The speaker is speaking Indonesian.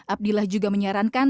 abdillah juga menyarankan